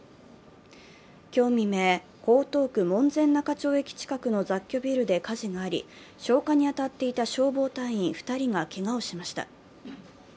今日未明、江東区・門前仲町駅近くの雑居ビルで火事があり、消火に当たっていた消防隊員２人がけがをしました。